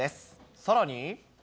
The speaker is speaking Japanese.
さらに。